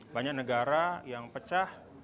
banyak negara yang pecah